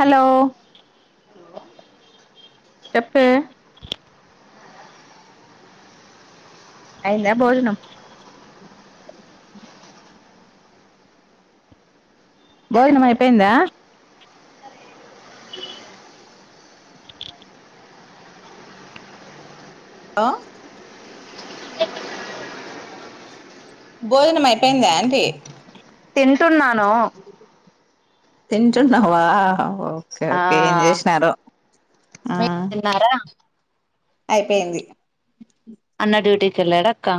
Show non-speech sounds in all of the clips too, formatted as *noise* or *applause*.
Hello చెప్పే అయిందా భోజనం భోజనం అయిపోయిందా హలో భోజనం అయిపోయిందా ఆంటీ. తింటున్నానూ తింటున్నా వా ఓకే ఆ ఓకే ఏం చేశినారో ఆ మీరు తిన్నారా అయిపోయింది అన్న డ్యూటీకెల్లాడ అక్కా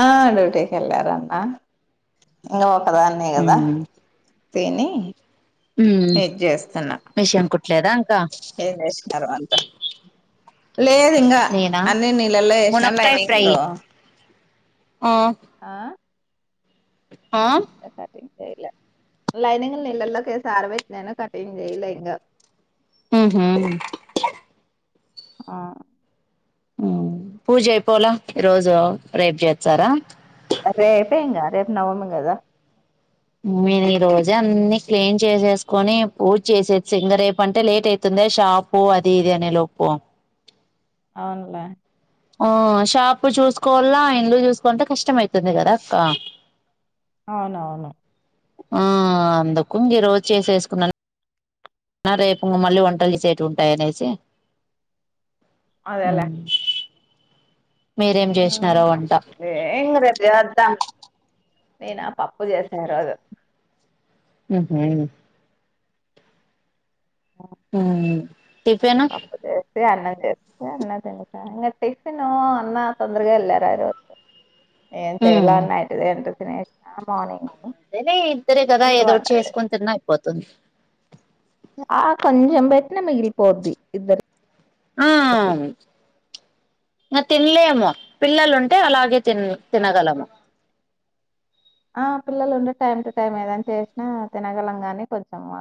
ఆ డ్యూటీ ఎల్లారమ్మా ఇంగ ఒ క్క దాన్నే గదా తేనీ ఊ మిషన్ కుట్ ట్లేదా ఏం చేశినారు వంట. లేదు ఇంగా నేనా అన్నీ నీళ్ళల్లో ఏశిన మునక్కాయ ఫ్రై లైనింగూ ఆ ఆ ఆ కటింగ్ లైనింగ్ నీళ్ళల్లో కేసి ఆర బెట్టినాను కటింగ్ జెయ్యలే ఇంగా ఊహూ ఆ ఊ పూజ అయిపోలా ఈ రోజూ రేప్ జేచ్చారా రేపే ఇంగా రేపు నవమి గదా నేను ఈ రోజే అన్నీ క్లీన్ చేసేసుకొనీ. పూజ చేసేసి ఇంగ రేపు అంటే లేట్ అయితుంది షాపూ అది ఇది అనే లోపు అవునులే ఆ షాపు చూసుకోవల్లా ఇన్లు చూసుకోంటే కష్టం అయితుంది గదా అక్కా. అవునవును ఆ అందుకు ఇంగ ఈ రోజ్ చేసేసుకున్నాను ఆ రేపు మళ్ళీ వంటల్ చేసేటివి ఉంటాయి అనేసి. ఊ ఏ ఇంగ రేప్ చేసేద్దాం నేనా పప్పు చేశా ఈ రోజు. ఊహూ ట టిఫెన్ తే అన్నం చేస్తే అన్నం తినిపేయ్, ఇంగ టిఫినా అన్న తొందరగా ఎల్ళారు ఆరోజు. ఏం చేయలే మ్మ్ నైటుదే ఉంటది తినేషినా మార్నింగ్ అంతేలే ఇద్దరే కదా ఇప్పుడు వంట ఏదోటి చేస్తా. చేసుకొని తిన్నా అయిపోతుంది ఆ కొంచెం పెట్న మిగిలిపోద్ది ఇద్దరు ఆవున్ ప్చ్ ఇంగ తినలే ఏమో పిల్లలు ఉంటే అలాగే తిన్ను తినగలము ఆ పిల్లలు ఉండే టైమ్ టు టైమ్ ఏదైనా చేసినా తినగలం గానీ కొంచెము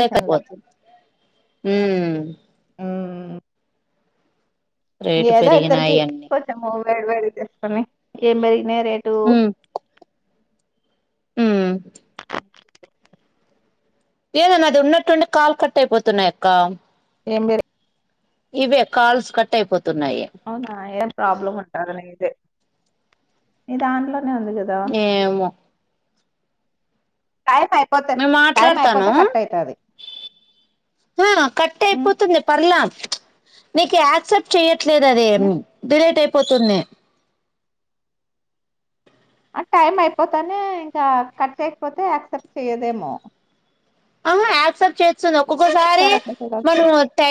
లేకపోతు హుమ్ ఉమ్. ఏదో ఇద్దరికి పెరిగినాయి అన్ని కొంచెము వేడి వేడిగా చేసుకొని తిను మరి నేరే టూ హుమ్ ఏమో నాది ఉన్నట్టు ఉండి కాల్ కట్ అయిపోతున్నాయి అక్క ఏం మీరే ఇవే కాల్స్ కట్ అయిపో అవునా ఏ *unintelligible* ప్రాబ్లం ఉంటది నీదే నీ దాంట్లో ఏమో టైం అయిపోతే మేము టైం మాట్లాడతాను అయిపోతే కట్ అయితది పో కట్ ఉమ్ అయిపోతుంది పర్లా నీకు ఆక్సెప్ట్ చెయ్య ట్లేదు అది ఉమ్ డిలీట్ అయి పోతుంది ఆ టైమ్ అయిపోతానే ఇంకా కట్ అయిపోతే యాక్సెప్ట్ చెయ్యదేమో ఆహా యాక్సెప్ట్ చే స్తుంది ఒకొక్క సారి ఒకసారి అట్లా చూడాల్సింది మనము టై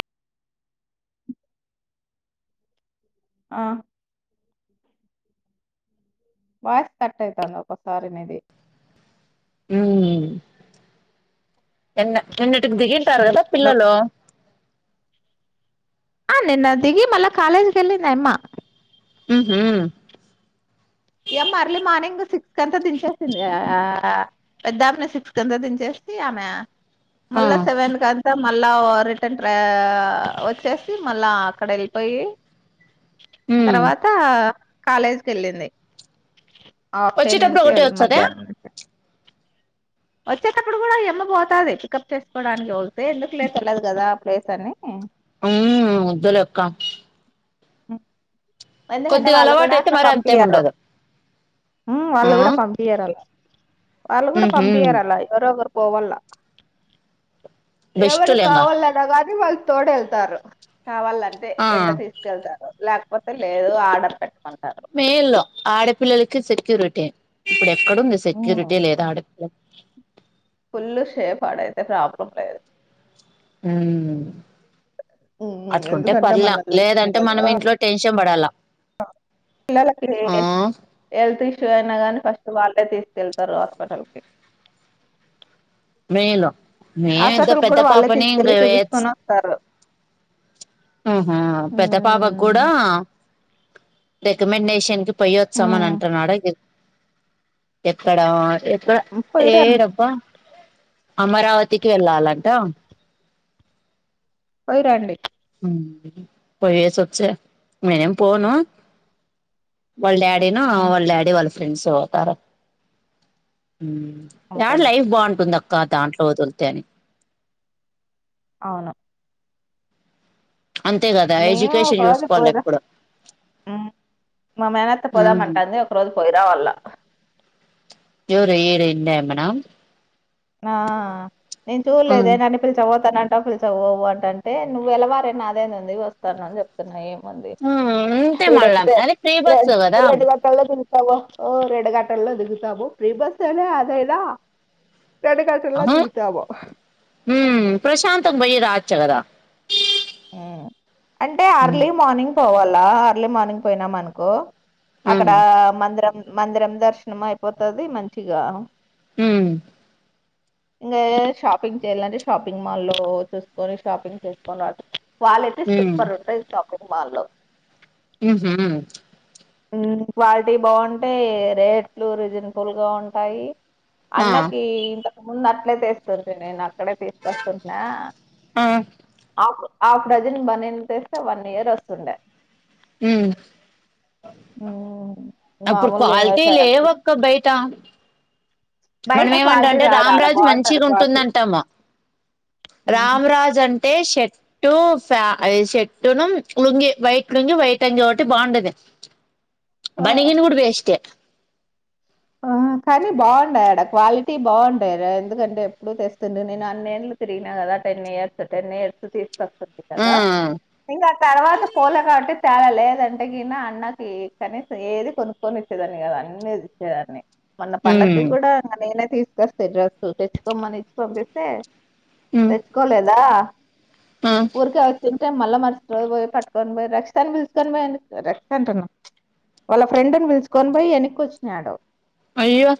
ఆ వాయిస్ కట్ అయితంది ఒక్కోసారి నీది హ్మ్ నిన్న నిన్నటికి దిగింటారు కదా పిల్లలు ఆ నిన్న దిగి మళ్ళ కాలేజ్ కి ఎల్లింది ఆయమ్మ ఊహూ ఇమ్మ అర్లీ మార్నింగ్ సిక్స్ క అంతా దించేసింది పెద్దమని సిక్స్ కంతా దించేసి ఆమె ఆ! మల్ల సెవెన్ క అంతా మళ్ళా రిటర్న్ వచ్చేసి మళ్ళా అక్కడ వెళ్ళిపోయి హ్మ్. తర్వాత కాలేజ్కి వెళ్ళింది ఆప్ టైన్ వచ్చేటప్పుడు నుంచి వె ఒకటే వస్తదా? మధ్యాహ్నం నుంచి వచ్చేటప్పుడు కూడా ఇమ్మబతది పికప్ చేసుకోవడానికి ఎందుకులేర్లేదు కదా ప్లేస్ అని ఇదిలేక్కా ఆ కొద్దిగా అలవాటు అయితే మరి అంతేం ఉండదు వాళ్ళు కూడా పంపించయరాల వాళ్ళు కూడా హుహు. పంపయారు అలా ఎవరో ఒకరు పోవాల బెస్ట్ ఏమరి లేంగా. కావాలలేదా కాది వాల్ తోడ వెల్తారు కావాలంటే ఆ! ఎంట తీసుకెళ్తారో గపో లేదు ఆర్డర్ పెట్టుకు మేల్ ఆడపిల్లకి సెక్యూ రొటీ ఇప్పుడ ఇక్కడంది సెక్యూరిటీ లేదా ఆడపి ఫుల్ షేప్డ అయితే ప్రాబ్లం లేదు అట్కుంటే ఎందుకంటే పర్లేం మొన్న లేదంటే మనం ఇంట్లో టెన్షన్ ఇష్టపడాల ఎళ్ష్ట అయినా గాని ఫస్ట్ వాళ్ళే తీసుకెళ్తారు హాస్పిటల్ కి మేలు హాస్పిటల్ కూడా వాళ్ళే తీసుకెళ్ళి చూపించుకుని వస్తారు ఆహ పెద్ద పాపకు కూడా ఉమ్ రెకమండేషన్కి పయ్యోత్సవ నంట నడగ ఎక్కడ పోయిరండి ఏడబ్బా అమరావతికి వెళ్ళాలంట పోయి రండి హ్మ్మ్ పోయేసి వచ్చ నేనేం పోను వాళ్ళ డాడీ ను వాళ్ళ డాడీ వాళ్ళ ఫ్రెండ్స్ పోతారా హ్మ్మ్ ఆడ అంతేలే లైఫ్ బాగుంటుందో ఇంకా దాంట్లో వదులుతేని అవును అంతే కదా మేము ఒక ఎడ్యుకేషన్ రోజు చూసుకోవాలి పోయిరా హ్మ్మ్ మా మేనత్త ఎప్పుడు పోదామంటంది ఒక రోజు పోయి రావాలా. తింటివ ఏమన్న ఆ నేను చూడలేదే నన్ను పిలిచి పోతానన్ పిలు చవవు అంటే నువ్వులవారే నా అదేది ఉంది వస్తాను అని చెప్తున్నా ఏం మంది ఉంటే మళ్ళా ఇడేకితే అది ఫ్రీ రెడ్ బస్సు *unintelligible* కదా హలో ఓ రెండు గంటలో దిగుతాము ప్రీ బస్ ఐన అదైనా రెండు గంటల్లో ఆహా దిగుతాము హ్మ్మ్ ప్రశాంతంగా పోయి రావొచ్చు కదా హ్మ్మ్ అంటే ఉమ్ అర్లీ మార్నింగ్ పోవాల అలా అర్లీ మార్నింగ్ పోయినాం అనుకో అక్కడ ఉమ్ మందిరం మందిరం దర్శనం అయిపోతది మంచిగా హ్మ్మ్ ఇంకా ఏ షాపింగ్ చేయ్యాలంటే షాపింగ్ మాల్లో చూసుకొని షాపింగ్ చేసుకొవలట వాల్ అయితే ఉమ్ సూపర్ ఉంటది షాప్ వాళ్ళో హ్మ్మ్ హ్మ్మ్ క్వాలిటీ బాగుంటేయి రేట్లు రీజనబుల్ గా ఉంటాయి ఆ అన్నకి ఇంత ముందు అట్లే తెస్తారు నేను అక్కడే తీసుకొస్తున్న ఆ ఆ ఆఫ్ డజన్ బనీన్ తెస్తే వన్ ఇయర్ వస్తుండే హ్మ్మ్ హ్మ్. అప్పుడు మామూలుగా ఇంగ క్వాలిటీ షార్ట్లు లేవక్క బయట. బయట మనం క్వాలిటీ ఏమంటాంటే రాదు. ఆడ రామరాజు బావుంటది మంచిగా క్వాలిటీ. ఉంటుందంట అమ్మ హుహు. రామ రాజ్ అంటే ఐతే షర్టు ఫ షర్టును లుంగి వైట్ లుంగి వైట్ అంగీ ఒకటి బాగుండది. ఆ! బనగిన్ కూడా వెస్ట్ ఏ ఆ! కానీ బావుండాయి ఆడ క్వాలిటీ బాగుంటార ఎందుకంటే ఎప్పుడుూ తెస్తుండ నేను అన్నేళ్లు తిగినా కదా టెన్ ఇయర్స్ టెన్ ఇయర్స్ తీసుకొ ంది ఆ కదా ఇంగ తర్వాత పోల కాటి తేల లేదంటే గిన అన్నకి కనీసం ఏది కొనుకొనిచ్చేదాన్ని గాదు అన్నీ చ్చేదాన్ని మొన్న ఉమ్ పండక్కి గూడాడా ననై తీసుకొస్తాయి డ్రెస్ తెచ్చుకోమ్మని ఇచ్చి పంపిస్తే ఉమ్ తెచ్చుకోలేదా ఆ ఉరికే వొ మళ్ళా మర్సటరోజు పొయ్ పట్కొని బోయ్ రక్షితని పిచసుకని పోయి రక్షిత అంటన్నా వాళ్ళ ఫ్రెండ్ని పిలుసుకొని పోయి ఎన్నిక్కొ ఞయాడు అయివా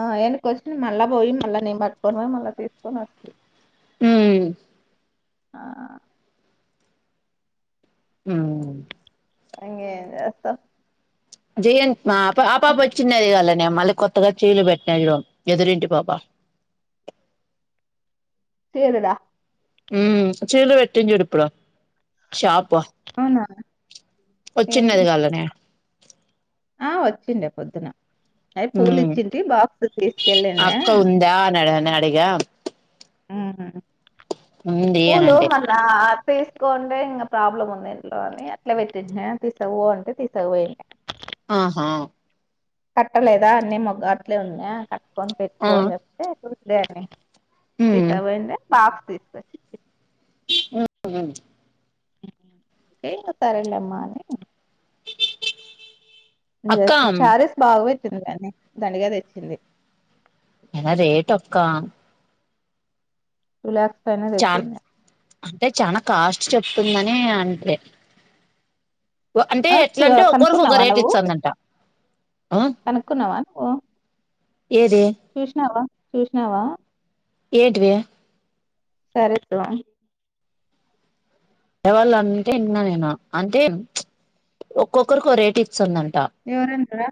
ఆ వెనకొచ్చ మళ్ళా బోయి మళ్ళా నేను పట్టుకొని బోయి మళ్ళా తీసుకొని వొస్తి ఉమ్ ఆ ఉ ఇంగేమ్ జేస్తావ్ జయంత్ మా ఆ పాపా పచ్చునేది కాల్ల మళ్ళీ కొత్తగా చీరలు పెట్టినా ఎదురింటి పాప చీరల చీరలు పెట్టంజూడిపుడు షాపు అవునా ఏం ఒచ్చిన్నది గాల్లనే ఆ వచ్చిండే పొద్దున అవి ఉ పూలు ఇచ్చింటి బాక్స్ తీసుకెళ్ళిండే అక్క ఉందా అనన నడిగా ఊహు పూలు అంటే మన్న తీసుకోంటే ఇంకా ప్రాబ్లం ఉంది ఇంట్లో అని అట్లా పెట్టిన్టన తీస్ అంటే తీస పోయి ఆహా కట్టలేదా అన్నీ మొగ్గ అట్లే ఉన్నా క ఫన్ పెట్ ఆ ఫోన్ వస్తతే లేే హ్మ్ తతవంద పాప్ తీస్కచ్చి ఉ ఏ ఇంగ సరేలేమ్మా అని అక్క షారస్ బాగో ని దండిగా దెచ్చింది అయినా రేట్ అక్కా తూలా తనే చాన్ తెచ్చింది అంటే చానా కాస్ట్ చెప్తుందని అంతే ఓ అంటే ఆ చూ ఎట్లంటే ఒక్కోరికి ఒక కనుక్కున్నావా రేట్ నువ్వు ఇచ్చందంట. కనుక్కున్నావా నువ్వు చూసినావా చూసినావా ఏంటివి సరే సువా ఎవళో అంటే విన్నా నేను అంటే ప్చ్ ఒక్కొక్కరికి ఒక రేట్ ఇచ్చందం ఎవరంటా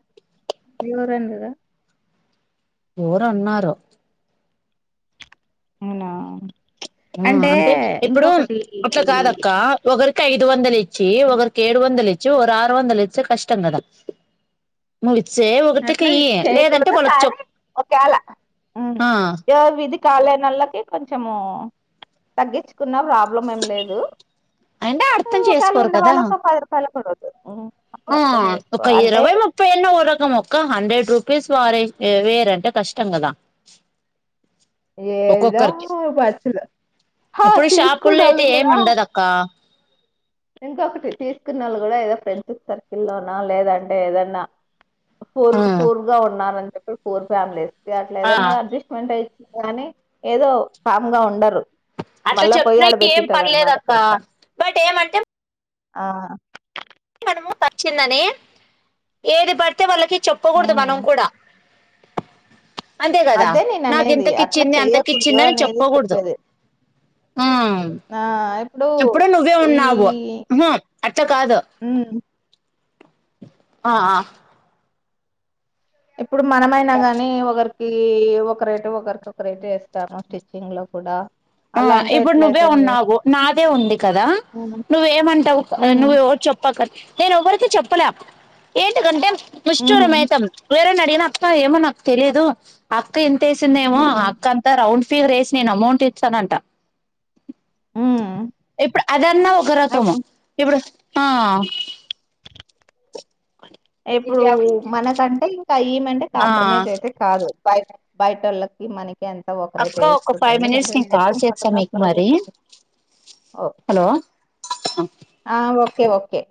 ఎవరన్లేదా ఎవరో అన్నారు అవునా మ్మ్ అంటే ఇప్పుడు ఇంకొకటి అట్లా కాదక్క ఒకరికి ఐదు వందలు ఇ చ్చి ఒకరికి ఏడు వందలు ఇచ్చి ఒక ఆరు వందలు ఇచ్చి కష్టం కదా మరి అట్లా ఇది చేయకూడదు కానీ చెప్ ఒకేళ ఆ రోజు ఇది కాలేనోళ్ళకి కొంచెము తగ్గిచ్చుకున్నా రార్ ప్రాబ్లెమ్ ఏం లేదు అంటే ఉ అర్థం ఒకేళ చేసుకోరు ఉండే కదా వాళ్ళకు ఒక పది రూపాయలు కూడా వద్దు ఉమ్, అట్లా ఆ అర్థం చేసుకో ఒక అంటే ఇరవై ముప్పై అన్న ఓ రకము ఒక్క హండ్రెడ్ రూపీస్ వారైతే వేరంటే కష్టం కదా ఏందో ఒక్కొక్కరికి మనుషులు హా ఇప్పుడు షాపుల్లో తీసుకున్నోళ్ళు అయితే కూడా ఏమి ఉండదక్క ఇంకొకటి తీసుకున్నోళ్లు కూడా ఏదో ఫ్రెండ్షిప్ సర్కిల్లో నా లేదంటే ఏదన్నా ఫూర్ ఫూర్ గా ఉన్నారని ఇప్పుడు పూర్ ఫ్యామిలీ వే ఆ అట్లాఏదన్నగా అడ్జస్ట్మెంట్ అయ్ కాని ఏదో కామ్ గా ఉండరు అట్ల మళ్ళా పోయి చెప్పినా ఆడ ఏం పెట్టింటారు పర్లేదు అనమాట అక్క పెంట బట్ ఏమంటే ఆ మనము పచ్చిందని ఏది పడితే వాళ్ళకి చెప్పుకూడదు మనం ఉమ్ కూడా అంతే కదా అదే నేను నాకు అనేది అట్లా ఇంతకిచ్చింది చెయ్యకూడదు అంతకిచ్చిందని అనేది చెప్పకూడదు చెప్పేది ఊమ్ ఆ! ఇప్పుడు చౄప్పుడు నువ్వే ఈ ఉన్నావు ఉహూ అట్ట కాదు హ్మ్. ఆ ఆ ఇప్పుడు మనమైనా గానీ ఒకరు ఈ ఒకరేటు ఒకరికి ఒకరేటు ఏస్తాము స్టిచ్చింగ్ లో కూడా ఆ అలా అంటే ఇప్పుడు నువ్వే ఎట్లయితుంది? ఉన్నావు నాదే ఉంది కదా హ్మ్. నువ్వేమంటావు హ్మ్. నువ్వు ఎవరికి చెప్పక నేను ఎవరికి చెప్పలే ఏంటి దంటే హ్మ్. కుష్టూరుమేతం వేరే నైతే నేను అక్క ఏమో నాకు తెలియదు అక్క ఎంత్ సిందేమో ఆ హ్మ్. అక్క అంతా రౌండ్ సెజారేసి నేను అమౌంట్ చనంట హ్మ్. ఇప్పుడు అదన్న ఒక్క రకం అప్పుడు ఇప్పుడు ఆ ఇప్పుడు మనకంటే ఇంకా ఈమంటే ఆ కాంప్రమైజ్ అయితే కాదు బయ్ బయటోర్లకి మనకి ఎంత ఒక్క అక్క ఒక రేటేస్తుంది ఫైవ్ ఎందుకంటే మినిట్స్ నేను కాల్ ఎక్కువ చేస్తా మాట్లాడిన మీకు ఒక్క రేటే మరి ఎస్తుంది హలో అ ఓకే ఓకే